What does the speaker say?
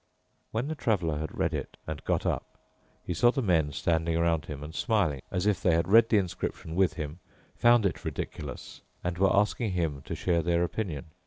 When the Traveler had read it and got up, he saw the men standing around him and smiling, as if they had read the inscription with him, found it ridiculous, and were asking him to share their opinion.